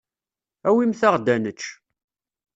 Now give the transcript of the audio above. Awimt-aɣ-d ad nečč.